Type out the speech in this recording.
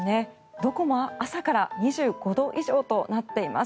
どこも朝から２５度以上となっています。